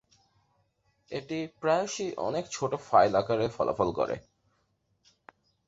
এটি প্রায়শই অনেক ছোট ফাইল আকারে ফলাফল করে।